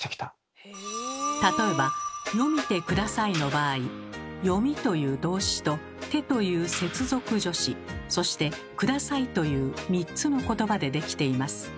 例えば「読みてください」の場合「読み」という動詞と「て」という接続助詞そして「ください」という３つのことばで出来ています。